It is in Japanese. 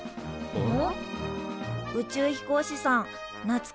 うん！